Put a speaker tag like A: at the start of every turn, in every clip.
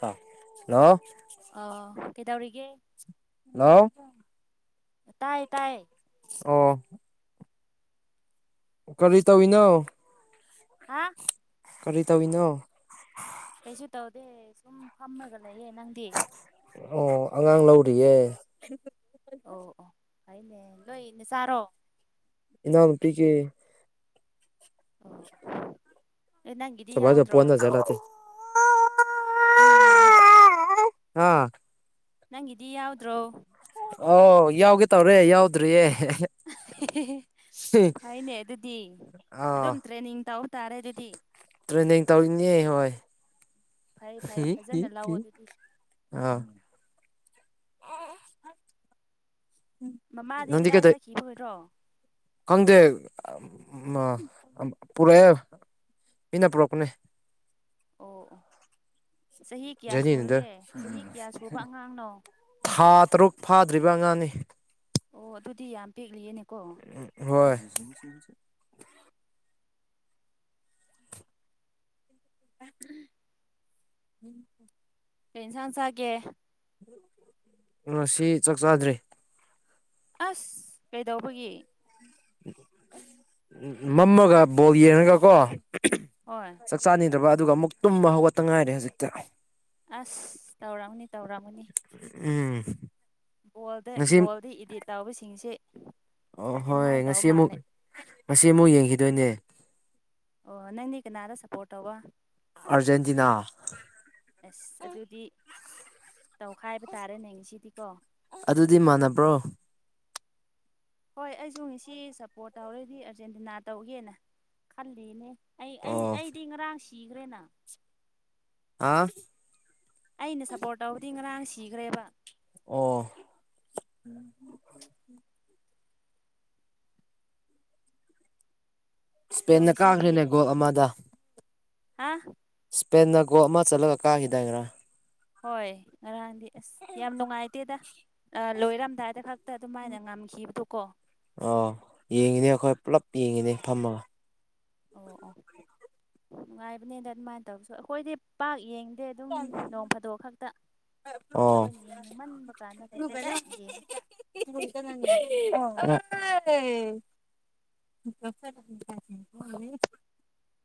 A: Hello
B: ꯑ ꯀꯩꯗꯧꯔꯤꯒꯦ
A: hello
B: ꯇꯥꯏꯌꯦ ꯇꯥꯏꯌꯦ
A: ꯑꯣ꯫ ꯀꯔꯤ ꯇꯧꯋꯤꯅꯣ꯫
B: ꯍꯥ꯫
A: ꯀꯔꯤ ꯇꯧꯔꯤꯅꯣ꯫
B: ꯀꯩꯁꯨ ꯇꯧꯗꯦ ꯁꯨꯝ ꯐꯝꯃꯒ ꯂꯩꯌꯦ ꯅꯪꯗꯤ꯫
A: ꯑꯣ ꯑꯉꯥꯡ ꯂꯧꯔꯤꯌꯦ
B: ꯑꯣ ꯑꯣ ꯐꯩꯅꯦ ꯅꯣꯏ ꯅꯆꯥꯔꯣ
A: ꯏꯅꯥꯎꯅꯨꯄꯤꯒꯤ
B: ꯑꯣ ꯑꯦ ꯅꯪꯒꯤꯗꯤ
A: ꯁꯕꯥꯏꯗ
B: ꯌꯥꯎꯗ꯭ꯔꯣ
A: ꯄꯣꯟꯅꯖꯠꯂꯥꯇꯦ ꯍꯥ
B: ꯅꯪꯒꯤꯗꯤ ꯌꯥꯎꯗ꯭ꯔꯣ
A: ꯑ ꯌꯥꯎꯒꯦ ꯇꯧꯔꯦ ꯌꯥꯎꯗ꯭ꯔꯤꯌꯦ
B: ꯐꯩꯅꯦ ꯑꯗꯨꯗꯤ
A: ꯑꯥ
B: ꯑꯗꯨꯝ ꯇ꯭ꯔꯦꯅꯤꯡ ꯇꯧꯕ ꯇꯥꯔꯦ ꯑꯗꯨꯗꯤ
A: ꯇ꯭ꯔꯦꯅꯤꯡ ꯇꯧꯔꯤꯅꯤ ꯍꯣꯏ
B: ꯐꯩ ꯐꯩ ꯐꯖꯅ ꯂꯧꯑꯣ ꯑꯗꯨꯗꯤ꯫
A: ꯑꯥ
B: ꯃꯃꯥꯗꯤ
A: ꯅꯪꯗꯤ
B: ꯀꯗꯥꯏ
A: ꯀꯩꯗꯧ
B: ꯆꯠꯈꯤꯕꯣꯏꯔꯣ
A: ꯈꯪꯗꯦ ꯑ ꯃ ꯄꯨꯔꯛꯑꯦ ꯃꯤꯅ ꯄꯨꯔꯛꯄꯅꯦ
B: ꯑꯣ ꯑꯣ ꯆꯍꯤ ꯀꯌꯥ
A: ꯖꯔꯅꯤꯗꯨꯗ
B: ꯁꯨꯔꯒꯦ ꯆꯍꯤ ꯀꯌꯥ ꯁꯨꯕ ꯑꯉꯥꯡꯅꯣ
A: ꯊꯥ ꯇꯔꯨꯛ ꯐꯥꯗ꯭ꯔꯤꯕ ꯑꯉꯥꯡꯅꯤ
B: ꯑꯣ ꯑꯗꯨꯗꯤ ꯌꯥꯝ ꯄꯦꯛꯂꯤꯌꯦꯅꯦꯀꯣ
A: ꯍꯣꯏ ꯎꯝ
B: ꯀꯩ ꯏꯟꯁꯥꯡ ꯆꯥꯒꯦ
A: ꯑ ꯁꯤ ꯆꯥꯛ ꯆꯥꯗ꯭ꯔꯦ
B: ꯑꯁ ꯀꯩꯗꯧꯕꯒꯤ
A: ꯎ ꯃꯃꯒ ꯕꯣ ꯌꯦꯅꯒ ꯀꯣ
B: ꯍꯣꯏ
A: ꯆꯥꯛ ꯆꯥꯅꯤꯡꯗ꯭ꯔꯕ ꯑꯗꯨꯒ ꯑꯃꯨꯛ ꯇꯨꯝꯕ ꯍꯧꯒꯠꯇ ꯉꯥꯏꯔꯦ ꯍꯧꯖꯤꯛꯇꯤ
B: ꯑꯁ ꯇꯧꯔꯝꯑꯃꯅꯤ ꯇꯧꯔꯝꯃꯅꯤ
A: ꯎꯝ
B: ꯕꯣꯜꯗ
A: ꯉꯁꯤ
B: ꯕꯣꯜꯗ ꯏꯗꯤꯠ ꯇꯥꯎꯕꯁꯤꯡꯁꯦ
A: ꯑꯍꯣꯏ ꯉꯁꯤ ꯑꯃꯨꯛ ꯉꯁꯤ ꯑꯃꯨꯛ ꯌꯦꯡꯈꯤꯗꯣꯏꯅꯦ
B: ꯑꯣ ꯅꯪꯗꯤ ꯀꯅꯥꯗ ꯁꯞꯄꯣꯔꯠ ꯇꯧꯕ
A: ꯑꯔꯖꯦꯟꯇꯤꯅꯥ
B: ꯑꯁ ꯑꯗꯨꯗꯤ ꯇꯧꯈꯥꯏꯕ ꯇꯥꯔꯦꯅꯦ ꯉ ꯁꯤꯗꯤꯀꯣ
A: ꯑꯗꯨꯗꯤ ꯃꯥꯟꯅꯕ꯭ꯔꯣ
B: ꯍꯣꯏ ꯑꯩꯁꯨ ꯉꯁꯤ ꯁꯞꯄꯣꯔꯠ ꯇꯧꯔꯗꯤ ꯑꯥꯔꯖꯦꯟꯇꯤꯅꯥ ꯇꯧꯒꯦꯅ ꯈꯜꯂꯤꯅꯦ ꯑꯩ ꯑꯩ
A: ꯑꯣ
B: ꯑꯩꯗꯤ ꯉꯔꯥꯡ ꯁꯤꯈ꯭ꯔꯦꯅ
A: ꯍꯥ
B: ꯑꯩꯅ ꯁꯞꯄꯣꯔꯠ ꯇꯧꯕꯗꯤ ꯉꯔꯥꯡ ꯁꯤꯈ꯭ꯔꯦꯕ
A: ꯑꯣ ꯎꯝ
B: ꯑꯗꯣ
A: ꯏꯁꯄꯦꯟꯗ
B: ꯉꯁꯤꯗꯤ
A: ꯀꯥꯈ꯭ꯔꯦꯅꯦ ꯒꯣꯜ ꯑꯃꯗ
B: ꯍꯥ
A: ꯁꯄꯦꯟꯅ ꯒꯣꯜ ꯑꯃ ꯆꯠꯂꯒ ꯀꯥꯈꯤꯗꯥꯏꯔꯥ
B: ꯍꯣꯏ ꯉꯔꯥꯡꯗꯤ ꯑꯁ ꯌꯥꯝ ꯅꯨꯡꯉꯥꯏꯇꯦꯗ ꯂꯣꯏꯔꯝꯗꯥꯏꯗ ꯈꯛ ꯍ ꯑꯗꯨꯃꯥꯏꯅ ꯉꯝꯈꯤꯕꯗꯣ ꯀꯣ
A: ꯑꯥꯎ ꯌꯦꯡꯉꯤꯅꯦ ꯑꯩꯈꯣꯏ ꯄꯨꯂꯞ ꯌꯦꯡꯉꯤꯅꯦ ꯐꯝꯃꯒ
B: ꯑꯣ ꯑꯣ ꯅꯨꯡꯉꯥꯏꯕꯅꯦꯗ ꯑꯗꯨꯃꯥꯏꯅ ꯇꯧꯔꯁꯨ ꯑꯩꯈꯣꯏꯗꯤ ꯄꯥꯛ ꯌꯦꯡꯗꯦ ꯑꯗꯨꯝ ꯅꯣꯡ ꯐꯥꯗꯣꯛ ꯈꯛꯇ
A: ꯑꯣ
B: ꯑꯩꯈꯣꯏꯅ ꯌꯦꯡꯅꯤꯡꯃꯟꯕ ꯀꯥꯟꯗ ꯈꯛꯇ ꯌꯦꯡꯉꯦ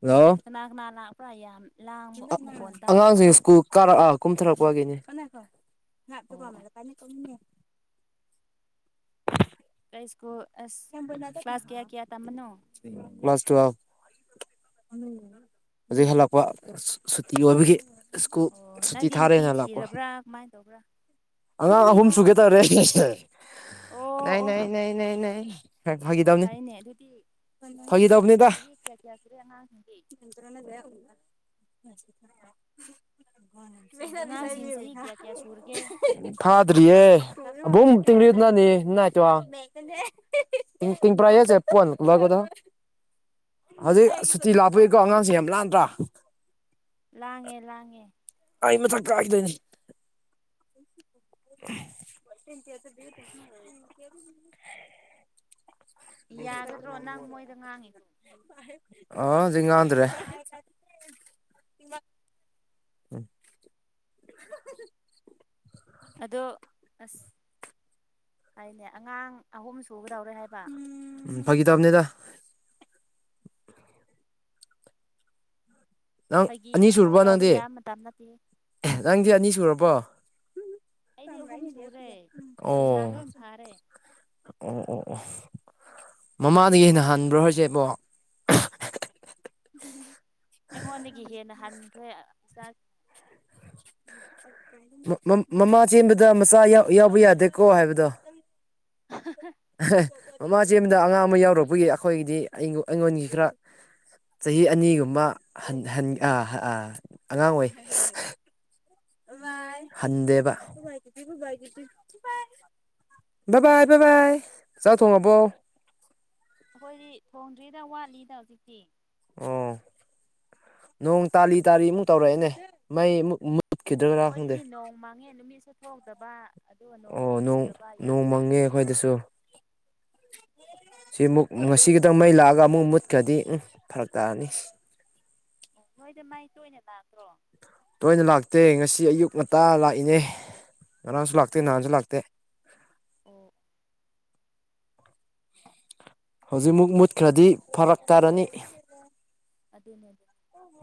A: [unintelligible] ꯍꯜꯂꯣ
B: ꯀꯅ ꯀꯅ [unintelligible] ꯌꯥꯝ ꯂꯥꯡꯕ ꯃꯈꯣꯟ ꯇꯥꯕꯒꯨꯝ
A: ꯑꯉꯥꯡꯁꯤꯡ ꯁ꯭ꯀꯨꯜ ꯀꯥꯔꯛꯑ ꯀꯨꯝꯊꯔꯛꯄꯒꯤꯅꯤ
B: ꯑꯣ ꯑꯣ ꯀ ꯁ꯭ꯀꯨꯜ ꯑꯁ ꯀ꯭ꯂꯥꯁ ꯀꯌꯥ ꯀꯌꯥ ꯇꯝꯕꯅꯣ
A: ꯃ꯭ꯂꯁ ꯇꯨ ꯍꯧꯖꯤꯛ ꯍꯜꯂꯛꯄ ꯁꯨꯇꯤ ꯑꯣꯏꯕꯒꯤ ꯁꯀꯨ
B: ꯑꯣ
A: ꯁꯨꯇꯤ
B: ꯅꯪꯗꯤ ꯅꯨꯄꯤ
A: ꯊꯥꯔꯦꯅ ꯂꯥꯛꯄꯣ
B: ꯊꯤꯔꯕ꯭ꯔꯥ ꯀꯃꯥꯏꯅ ꯇꯧꯕ꯭ꯔꯥ
A: ꯑꯉꯥꯡ ꯑꯍꯨꯝꯁꯨꯨꯒꯦ ꯇꯧꯔꯦ
B: ꯑꯣ ꯑꯣ
A: ꯍ ꯐꯒ
B: ꯑꯣ
A: ꯇꯕꯅꯤ
B: ꯐꯩꯅꯦ ꯑꯗꯨꯗꯤ
A: ꯐꯒꯤ ꯇꯕꯕꯅꯤ ꯇ
B: ꯆꯍꯤ ꯀꯌꯥ ꯀꯌꯥ ꯁꯨꯔꯦ ꯑꯉꯥꯡꯁꯤꯡꯗꯤ ꯑꯉꯥꯡꯁꯤꯡ ꯆꯍꯤ ꯀꯌꯥ
A: [unintelligible]
B: ꯀꯌꯥ ꯁꯨꯔꯒꯦ
A: [unintelligible] ꯐꯥꯗ꯭ꯔꯤꯌꯦ [unintelligible] [unintelligible] ꯍꯧꯖꯤꯛ ꯁꯨꯇꯤ ꯂꯥꯛꯄꯏꯀꯣ ꯑꯉꯥꯡꯁꯦ ꯌꯥꯝ ꯂꯥꯛꯥꯟꯗ꯭ꯔꯥ
B: ꯂꯥꯡꯉꯦ ꯂꯥꯡꯉꯦ
A: ꯑꯩ ꯃ ꯊꯀꯥꯁꯗꯅꯤ [unintelligible]
B: ꯌꯥꯒꯗ꯭ꯔꯣ ꯅꯪ ꯃꯣꯏꯗ ꯉꯥꯡꯉꯤꯗꯣ
A: ꯑ ꯖꯤꯉꯥꯗ꯭ꯔꯦ
B: ꯑꯗꯣ ꯑꯁ ꯍꯥꯏꯅꯦ ꯑꯉꯥꯡ ꯑꯍꯨꯝ ꯁꯨꯒꯗꯧꯔꯦ ꯍꯥꯏꯕ
A: ꯎꯝ ꯐꯥꯒꯤ ꯇꯕꯅꯦꯗ ꯅꯪ
B: ꯐꯥꯒꯤ
A: ꯑꯅꯤ
B: ꯄꯪꯇꯧ
A: ꯁꯨꯔꯕꯣ
B: ꯇꯧꯕ
A: ꯅꯪꯗꯤ
B: ꯌꯥꯕ ꯃꯇꯝ ꯅꯠꯇꯦ
A: ꯅꯪꯗꯤ ꯑꯅꯤ ꯁꯨꯔꯕꯣ
B: ꯑꯩꯗꯤ ꯑꯍꯨꯝ ꯁꯨꯔꯦ
A: ꯑꯣ
B: ꯂꯩꯁꯥ ꯂꯣꯏ ꯐꯥꯔꯦ
A: ꯑꯣ ꯑꯣ ꯑꯣ ꯃꯃꯥꯗꯒꯤ ꯍꯦꯟꯅ ꯍꯟꯕ꯭ꯔꯣ ꯍꯧꯁꯦꯕꯣ
B: ꯎ ꯑꯩꯉꯣꯟꯗꯒꯤ ꯍꯦꯟꯅ ꯍꯟꯈ꯭ꯔꯦ ꯏ
A: ꯃꯃꯥ ꯆꯦꯟꯕꯗ ꯃꯆꯥ ꯌꯥꯎꯕ ꯌꯥꯗꯦꯀꯣ ꯍꯥꯏꯕꯗꯣ
B: [unintelligible]
A: ꯃꯃꯥ ꯆꯦꯗ ꯑꯉꯥꯡ ꯑꯃ ꯌꯥꯎꯔꯛꯄꯒꯤ ꯑꯩꯈꯣꯏꯒꯤꯗꯤ ꯑꯩ ꯑꯩꯉꯣꯟꯒꯤ ꯈꯔ ꯆꯍꯤ ꯑꯅꯤꯒꯨꯝꯕ ꯑꯉꯥꯡ ꯑꯣꯏ ꯍꯟꯗꯦꯕ ꯕꯥꯕꯥꯥꯏ ꯕꯥꯕꯥꯏ ꯆꯥꯎ ꯊꯣ ꯑꯕꯣ
B: ꯑꯩꯈꯣꯏꯗꯤ ꯊꯣꯡꯗ꯭ꯔꯤꯗ ꯋꯥꯠꯂꯤꯗ ꯍꯧꯖꯤꯛꯇꯤ
A: ꯑꯣ ꯅꯣꯡ ꯇꯥꯂꯤ ꯇꯥꯂꯤ ꯑꯃꯨꯛ ꯇꯧꯔꯛꯑꯦꯅꯦ ꯃꯩꯨꯛ
B: ꯑꯣ ꯑꯩꯈꯣꯏꯗꯗꯤ ꯅꯣꯡ ꯃꯥꯡꯉꯦ ꯅꯨꯃꯤꯠꯁꯨ ꯊꯣꯛꯇꯕ ꯑꯗꯨꯒ ꯅꯣꯡꯁꯨ
A: ꯑꯣ ꯅꯣꯡ
B: ꯆꯨꯗꯕ ꯌꯥꯝ
A: ꯅꯣꯡ
B: ꯐꯪꯉꯦ
A: ꯑꯩꯈꯣꯏꯗꯁꯨ ꯁꯤ ꯑꯃꯨꯛ ꯉꯁꯤ ꯈꯤꯇꯪ ꯃꯩ ꯂꯥꯛꯑꯒ ꯑꯃꯨꯛ ꯃꯨꯠꯈ꯭ꯔꯗꯤ ꯎꯝ ꯐꯔꯛ ꯇꯥꯔꯅꯤ
B: ꯑꯣ ꯅꯣꯏꯗ ꯃꯥꯏ ꯇꯣꯏꯅ ꯂꯥꯛꯇ꯭ꯔꯣ
A: ꯇꯣꯏꯅ ꯂꯥꯛꯇꯦ ꯉꯁꯤ ꯑꯌꯨꯛ ꯉꯟꯇꯥ ꯂꯥꯛꯏꯅꯦ ꯉꯔꯥꯡꯁꯨ ꯂꯥꯛꯇꯦ ꯅꯍꯥꯟꯁꯨ ꯂꯥꯛꯇꯦ
B: ꯑꯣ
A: ꯍꯧꯖꯤꯛꯃꯨꯛ ꯃꯨꯠꯈ꯭ꯔꯗꯤ ꯐꯔꯛ ꯇꯥꯔꯅꯤ
B: ꯑꯗꯨꯅꯦ ꯑꯗꯨ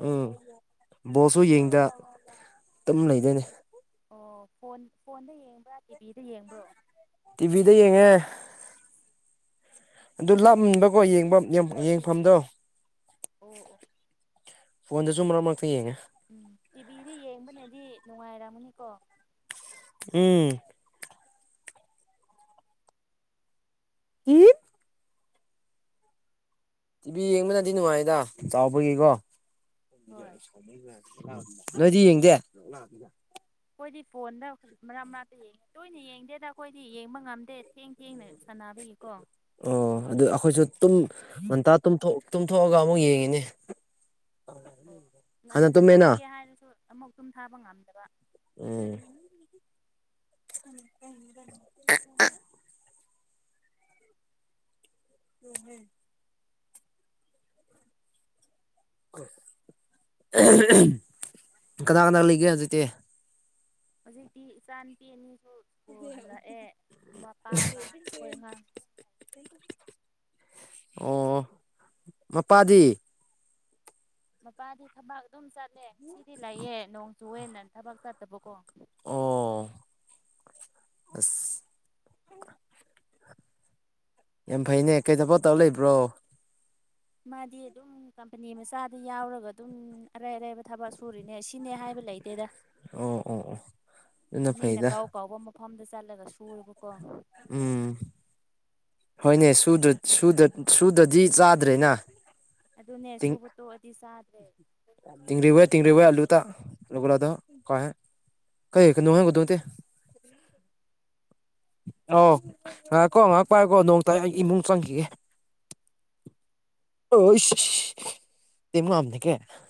A: ꯎꯝ ꯕꯣꯁꯁꯨ ꯌꯦꯡꯗ ꯑꯗꯨꯝ ꯂꯩꯗꯣꯏꯅꯦ
B: ꯑꯣ ꯐꯣꯟ ꯐꯣꯟꯗ ꯌꯦꯡꯕ꯭ꯔꯥ ꯇꯤꯚꯤꯗ ꯌꯦꯡꯕ꯭ꯔꯣ
A: ꯇꯤꯚꯤꯗ ꯌꯦꯡꯉꯦ ꯑꯗꯨ ꯂꯥꯕꯀꯣ ꯌꯦꯡꯐꯝ ꯌꯦꯡꯐꯝꯗꯣ
B: ꯑꯣ ꯑꯣ
A: ꯐꯣꯟꯗꯁꯨ ꯃꯔꯛ ꯃꯔꯛꯇ ꯌꯦꯡꯉꯦ
B: ꯎꯝ ꯇꯤꯚꯤꯗꯤ ꯌꯦꯡꯕꯅꯗꯤ ꯅꯨꯡꯉꯥꯏꯔꯝꯃꯅꯤꯀꯣ
A: ꯎꯝ [unintelligible] ꯇꯤꯚꯤ ꯌꯦꯡꯕꯅꯗꯤ ꯅꯨꯡꯉꯥꯏꯗ ꯆꯥꯎꯕꯒꯤꯀꯣ
B: ꯍꯣꯏ
A: ꯅꯪꯗꯤ ꯌꯦꯡꯗꯦ
B: ꯀꯣꯏꯗꯤ ꯐꯣꯟꯗ ꯃꯔꯛ ꯃꯔꯅꯥꯛꯇ ꯌꯦꯡꯉꯦ ꯇꯣꯏꯅ ꯌꯦꯡꯗꯦꯗ ꯑꯩꯈꯣꯏꯗꯤ ꯌꯦꯡꯕ ꯉꯝꯗꯦ ꯊꯦꯡ ꯊꯦꯡꯅ ꯁꯥꯟꯅꯕꯒꯤꯀꯣ
A: ꯑꯣ ꯑꯗꯨ ꯑꯩꯈꯣꯏꯁꯨ ꯇꯨꯝ ꯉꯟꯇꯥ ꯇꯨꯝꯊꯣꯛꯑꯒ ꯑꯃꯨꯛ ꯌꯦꯡꯉꯤꯅꯦ [unintelligible]
B: ꯑꯣ
A: ꯍꯥꯟꯅ
B: ꯉꯟꯅ
A: ꯇꯨꯝꯃꯦꯅ
B: ꯇꯨꯝꯒꯦ ꯍꯥꯏꯔꯁꯨ ꯑꯃꯨꯛ ꯇꯨꯝ ꯊꯥꯕ ꯉꯝꯗꯕ
A: ꯎꯝ [unintelligible] ꯎꯝ ꯀꯅꯥ ꯀꯅꯥ ꯂꯩꯒꯦ ꯍꯧꯖꯤꯛꯇꯤ
B: ꯍꯧꯖꯤꯛꯇꯤ ꯏꯆꯥ ꯅꯨꯨꯄꯤ ꯑꯅꯤꯁꯨ ꯁ꯭ꯀꯨꯜ ꯍꯜꯂꯛꯑꯦ ꯃꯄꯥꯒ ꯑꯩꯈꯣꯏ ꯑꯉꯥꯡ
A: ꯑꯣ ꯃꯄꯥꯗꯤ
B: ꯃꯄꯥꯗꯤ ꯊꯕꯛ ꯑꯗꯨꯝ ꯆꯠꯂꯦ ꯁꯤꯗꯤ ꯂꯩꯌꯦ ꯅꯣꯡ ꯆꯨꯨꯔꯦ ꯅ ꯊꯕꯛ ꯆꯠꯇꯕꯀꯣ
A: ꯑꯣ ꯌꯥꯝ ꯐꯩꯅꯦ ꯀꯩꯗꯕ ꯇꯧꯔ ꯂꯩꯕ꯭ꯔꯣ
B: ꯃꯥꯗꯤ ꯑꯗꯨꯝ ꯀꯝꯄꯅꯤ ꯃꯆꯥꯗ ꯌꯥꯎꯔꯒ ꯑꯗꯨꯝ ꯑꯔꯥꯏ ꯑꯔꯥꯏꯕ ꯊꯕꯛ ꯁꯨꯔꯤꯅꯦ ꯁꯤꯅꯦ ꯍꯥꯏꯕ ꯂꯩ ꯦꯗ
A: ꯑꯣ ꯑꯣ ꯑꯣ ꯑꯗꯨꯅ
B: ꯃꯤꯅ
A: ꯐꯩꯗ
B: ꯀꯥꯎ ꯀꯥꯎꯕ ꯑꯃꯨ ꯃꯐꯝꯗ ꯆꯠꯂꯒ ꯁꯨꯦꯔꯕꯀꯣ
A: ꯎꯝ ꯍꯣꯏꯅꯦ ꯁꯨꯗ ꯁꯨꯗꯔꯥꯗꯤ ꯆꯥꯗ꯭ꯔꯦꯅ
B: ꯑꯗꯨꯅꯦ
A: ꯇꯤꯡ
B: ꯁꯨꯕ ꯇꯣꯛꯑꯗꯤ ꯆꯥꯗ꯭ꯔꯦꯣꯏ
A: ꯇꯤꯡꯔꯤ
B: ꯁꯤꯗꯤ
A: ꯍꯨꯌꯦ ꯇꯤꯡꯔꯤ ꯍꯨꯌꯦ ꯑꯂꯨ
B: ꯌꯥꯝꯅꯣꯏꯅ
A: [unintelligible] ꯑꯧ ꯉꯥꯏꯍꯥꯛ ꯀꯣ ꯉꯥꯏꯍꯥꯛ ꯄꯥꯏꯀꯣ ꯅꯣꯡꯇ ꯑꯩ ꯏꯃꯨꯡ ꯆꯪꯈꯤꯒꯦ [unintelligible]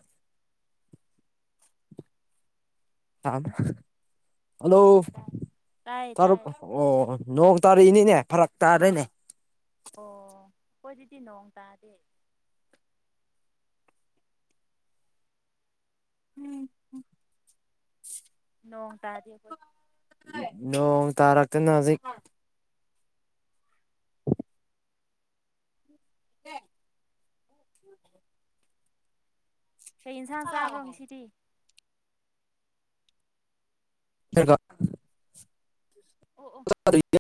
A: ꯍꯜꯂꯣ
B: ꯇꯥꯏ ꯇꯥꯏ ꯇꯥꯏ
A: ꯇꯔꯥ
B: ꯇꯥꯏ
A: ꯑꯣ ꯅꯣꯡ ꯇꯥꯔꯛꯏꯅꯤꯅꯦ ꯐꯔꯛ ꯇꯥꯗꯣꯏꯅꯦ
B: ꯑꯣ ꯍꯣꯏ ꯑꯗꯨꯗꯤ ꯅꯣꯡ ꯇꯥꯗꯦ
A: ꯎꯝ
B: ꯅꯣꯡ ꯇꯥꯗꯤ ꯑꯩꯈꯣꯏ
A: ꯅꯣꯡ ꯇꯥꯔꯛꯇꯅ ꯍꯧꯖꯤꯛ [unintelligible] [inaudible]
B: ꯀꯩ ꯏꯟꯁꯥꯡ ꯆꯥꯕ꯭ꯔꯣ ꯉꯁꯤꯗꯤ
A: [unintelligible] [unintelligible]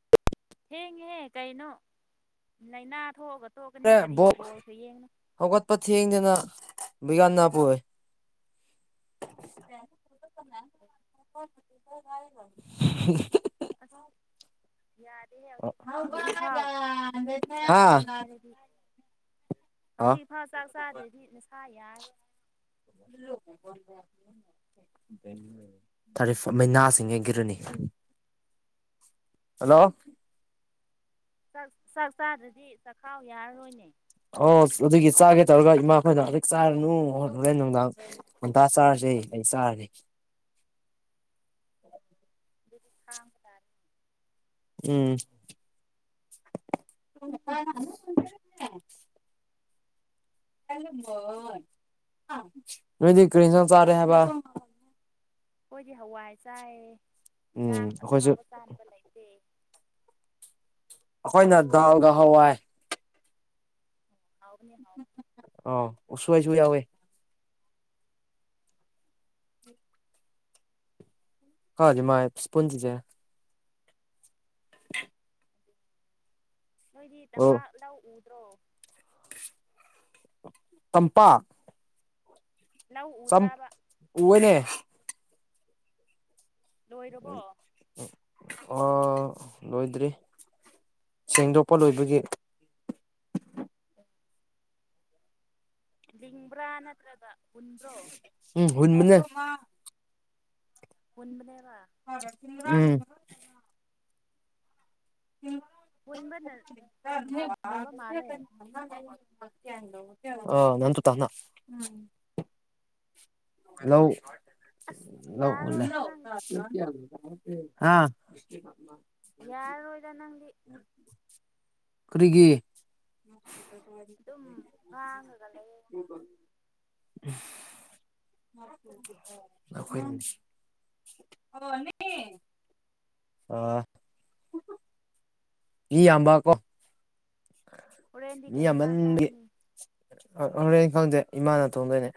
B: ꯊꯦꯡꯍꯦ ꯀꯩꯅꯣ ꯂꯥꯏꯅꯥ ꯊꯣꯛꯑꯒ ꯇꯣꯛꯀꯅꯤ ꯀꯔꯤ
A: ꯕꯣꯛ
B: ꯕꯣꯜꯁꯨ ꯌꯦꯡꯅꯣ
A: ꯍꯧꯒꯠꯄ ꯊꯦꯡꯗꯦꯅ ꯕꯤꯒ꯭ꯌꯥꯟ ꯑꯣꯏ [unintelligible]
B: [inaudible]
A: [unintelligible]
B: ꯑꯁ ꯌꯥꯗꯦꯍꯦ ꯍꯧꯖꯤꯛꯐꯥꯎ ꯍꯧꯖꯤꯛꯐꯥꯎ
A: ꯍꯥ
B: ꯆꯥꯗ꯭ꯔꯤ ꯍꯥꯏꯔꯗꯤ ꯍꯧꯖꯤꯛ ꯏꯐꯥꯎ ꯆꯥꯛ ꯆꯥꯗ꯭ꯔꯗꯤ ꯅꯥꯁꯥ ꯌꯥꯔꯥꯔꯣꯏ
A: [unintelligible] [unintelligible] ꯊꯔꯇꯤ ꯐꫭꯔ ꯃꯩꯅꯥꯁꯤꯡꯑꯦ ꯒꯤꯔꯅꯤ ꯍꯜꯂꯣ
B: ꯥꯆꯥꯛ ꯆꯥꯛ ꯆꯥꯗ꯭ꯔꯗꯤ ꯆꯥꯛꯈꯥꯎ ꯌꯥꯔꯔꯣꯏꯅꯦ
A: ꯑꯣ ꯑꯗꯨꯒꯤ ꯆꯥꯒꯦ ꯇꯧꯔꯒ ꯏꯃꯥꯈꯣꯏꯅ ꯍꯧꯖꯤꯛ ꯆꯥꯔꯅꯨ ꯍꯣꯔꯦ ꯅꯨꯡꯗꯥꯡ ꯉꯟꯇꯥ ꯆꯥꯔꯁꯨ ꯌꯥꯏ ꯑꯩ ꯆꯥꯔꯅꯤ
B: ꯑꯗꯨꯗꯤ ꯈꯥꯡꯕ ꯇꯥꯔꯦ
A: ꯎꯝ [unintelligible] [unintelligible] ꯅꫭꯏꯗꯤ ꯀꯔꯤ ꯏꯟꯖꯥꯡ ꯆꯥꯔꯦ ꯍꯥꯏꯕ
B: ꯑꯩꯈꯣꯏꯗꯤ ꯍꯋꯥꯏ ꯆꯥꯏ
A: ꯎꯝ
B: ꯏꯟꯁꯥꯡ
A: ꯑꯩꯈꯣꯏꯁꯨ
B: ꯑꯍꯥꯎꯕ ꯆꯥꯅꯕ ꯂꯩꯇꯦ
A: ꯑꯩꯈꯣꯏꯅ ꯗꯥꯜꯒ ꯍꯋꯥꯏ
B: ꯍꯥꯎꯕꯅꯦ ꯍꯥꯎꯕꯅꯦ
A: ꯑꯣ ꯎꯁꫭꯏꯁꯨ ꯌꯥꯎꯋꯦ ꯍꯥꯎꯗꯤꯃꯥꯏ ꯏꯁꯄꯨꯟꯇꯤꯗꯤꯖꯦ [inaudible]
B: ꯅꯣꯏꯗꯤ
A: ꯑꯣ
B: ꯇꯝꯄꯥꯛ ꯂꯧ ꯎꯗ꯭ꯔꯣ
A: ꯇꯝꯄꯥꯛ
B: ꯂꯧ ꯎꯗ꯭ꯔꯕ
A: ꯎꯑꯦꯅꯦ
B: ꯂꯣꯏꯔꯕꯣ
A: ꯑꯥ ꯂꯣꯏꯗ꯭ꯔꯤ ꯁꯦꯡꯗꯣꯛꯄ ꯂꯣꯏꯕꯒꯤ
B: [unintelligible] ꯂꯤꯡꯕ꯭ꯔꯥ ꯅꯠꯇ꯭ꯔꯒ ꯍꯨꯟꯕ꯭ꯔꯣ
A: ꯎꯝ ꯍꯨꯟꯕꯅꯦ
B: ꯍꯨꯟꯕꯅꯦꯕ
A: ꯎꯝ ꯎꯝ
B: ꯍꯨꯟꯕꯅ ꯐꯧ ꯊꯥꯕ ꯊꯥꯕ ꯃꯥꯜꯂꯦ
A: [unintelligible] ꯍꯜꯂꯣ
B: ꯑꯁ
A: ꯂꯧ
B: ꯌꯥꯔꯔꯣꯏꯗ ꯅꯪꯗꯤ
A: [unintelligible] ꯍꯥ
B: ꯌꯥꯔꯔꯣꯏꯗ ꯅꯪꯗꯤ
A: ꯀꯔꯤꯒꯤ
B: ꯑꯗꯨꯝ ꯉꯥꯡꯉꯒ ꯂꯩꯌꯦ
A: [unintelligible] ꯅꯈꯣꯏ [unintelligible] [unintelligible] ꯑꯥ ꯃꯤ ꯌꯥꯝꯕ ꯀꯣ
B: ꯍꯣꯔꯦꯟꯗꯤ
A: ꯃꯤ
B: ꯀꯩ ꯏꯟꯁꯥꯡ
A: ꯌꯥꯝꯃꯟꯕꯒꯤ
B: ꯆꯥꯔꯅꯤ
A: ꯍꯣꯔꯦꯟ ꯈꯪꯗꯦ ꯏꯃꯥꯅ ꯊꫭꯡꯗꯣꯏꯅꯦ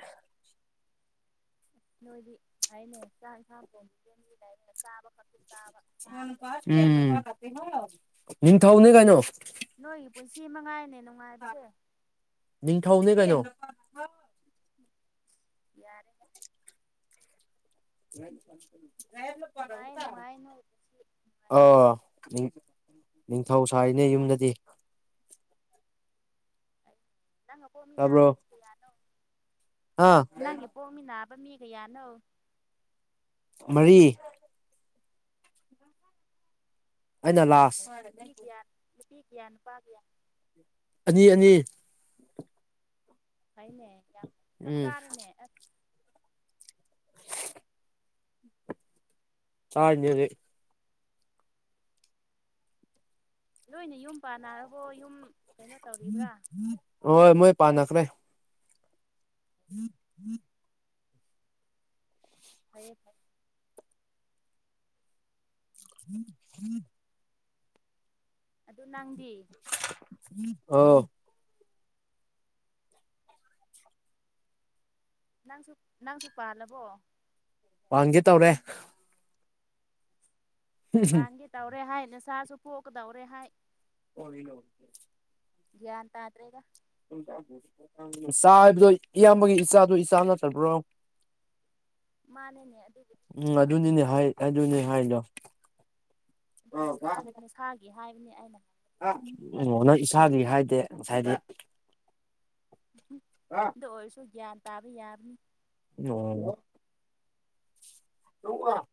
B: ꯅꯣꯏꯗꯤ ꯍꯥꯏꯅꯦ ꯆꯥꯛ ꯏꯟꯁꯥꯡ ꯊꫭꯡꯕꯤꯌꯦ [unintelligible] ꯆꯥꯕ ꯈꯛꯇꯤ ꯆꯥꯕ ꯆꯥꯔꯒ ꯑꯃꯨꯛ
A: [unintelligible]
B: ꯇꯨꯝꯃꯅꯤ
A: ꯎꯝ ꯅꯤꯡꯊꯧꯅꯦ ꯀꯩꯅꯣ
B: ꯅꯣꯏꯒꯤ ꯄꯨꯟꯁꯤ ꯃꯉꯥꯏꯅꯦ ꯅꯨꯡꯉꯥꯏꯕꯁꯦ
A: ꯅꯤꯡꯊꯧꯅꯦ ꯀꯩꯅꯣ
B: ꯌꯥꯔꯦꯍꯦ ꯅꯨꯡꯉꯥꯏꯌꯦ ꯅꯨꯡꯉꯥꯏꯌꯦ ꯅꯣꯏ ꯄꯨꯟꯁꯤ
A: [unintelligible]
B: ꯅꯨꯡꯉꯥꯏꯌꯦ
A: ꯑꫭ ꯅꯤꯡꯊꯧ ꯁꯥꯏꯅꯦ ꯌꯨꯝꯗꯗꯤ
B: ꯅꯪ ꯑꯄꯣꯝꯃꯤ ꯅꯥꯕ
A: ꯇꯥꯕ꯭ꯔꯣ
B: ꯃꯤ ꯀꯌꯥꯅꯣ
A: ꯑꯥ
B: ꯅꯪꯒꯤꯄꯣꯝꯃꯤ ꯅꯥꯕ ꯃꯤ ꯀꯌꯥꯅꯣ
A: ꯃꯔꯤ ꯑꯩꯅ
B: ꯑꯣ
A: ꯂꯥꯁ
B: ꯅꯨꯄꯤꯀꯌꯥ ꯅꯨꯄꯤꯀꯌꯥ ꯅꯨꯄꯥꯀꯌꯥ
A: ꯑꯅꯤ ꯑꯅꯤ
B: ꯐꯩꯅꯦ ꯌꯥꯝ ꯆꯞ
A: ꯎꯝ
B: ꯆꯥꯔꯦꯅꯦ ꯑꯁ
A: ꯆꯥꯔꯤꯅꯦ ꯍꯧꯖꯤꯛ [unintelligible]
B: ꯅꯣꯏꯅ ꯌꯨꯝ ꯄꯥꯟꯅꯔꯕꯣ ꯌꯨꯝ ꯀꯩꯅꯣ ꯇꯧꯔꯤꯕ꯭ꯔꯥ
A: ꯍꯣꯏ ꯃꯣꯏ ꯄꯥꯟꯅꯈ꯭ꯔꯦ [inaudible]
B: ꯐꯩꯌꯦ ꯐꯩꯌꯦ
A: ꯎꯝ ꯎꯝ
B: ꯑꯗꯨ ꯅꯪꯗꯤ
A: ꯑꯥꯎ
B: ꯅꯪꯁꯨ ꯅꯪꯁꯨ ꯄꯥꯜꯂꯕꯣ
A: ꯄꯥꯟꯒꯦ ꯇꯧꯔꯦ
B: ꯄꯥꯟꯒꯦ ꯇꯧꯔꯦ ꯍꯥꯏ ꯅꯆꯥꯁꯨ ꯄꯣꯛꯀꯗꯧꯔꯦ ꯍꯥꯏ
A: ꯀꯣꯔꯤꯅꯣ
B: ꯒ꯭ꯌꯥꯟ ꯇꯥꯗ꯭ꯔꯦꯗ
A: ꯆꯥ ꯍꯥꯏꯕꯗꯣ ꯏꯌꯥꯝꯕꯒꯤ ꯏꯆꯥꯗꯣ ꯏꯆꯥ ꯅꯠꯇ꯭ꯔꯕ꯭ꯔꯣ [inaudible]
B: ꯃꯥꯅꯤꯅꯦ ꯑꯗꯨꯗꯤ
A: ꯎꯝ ꯑꯗꯨꯅꯤꯅꯦ ꯍꯥꯏ ꯑꯗꯨꯅꯤ ꯍꯥꯏꯗꯣ
B: ꯑꯗꯨ ꯅꯁꯥ ꯅꯁꯥꯒꯤ ꯍꯥꯏꯕꯅꯤ ꯑꯩꯅ ꯍꯥꯏꯕꯗꯤ
A: ꯉꯅ ꯏꯁꯥꯒꯤ ꯍꯥꯏꯗꯦ ꯉꯁꯥꯏꯗꯤ
B: ꯑꯗꯨ ꯑꯣꯏꯔꯁꯨ ꯒ꯭ꯌꯥꯟ ꯇꯥꯕ ꯌꯥꯕꯅꯤ
A: ꯑꯣ [unintelligible]